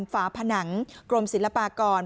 ฝาผนังกรมศิลปากร